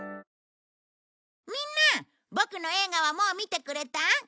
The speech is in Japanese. みんなボクの映画はもう見てくれた？